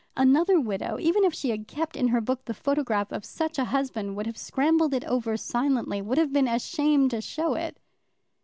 Another widow, even if she had kept in her book the photograph of such a husband, would have scrambled it over silently, would have been ashamed to show it.